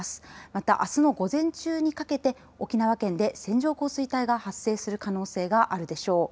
またあすの午前中にかけて沖縄県で線状降水帯が発生する可能性があるでしょう。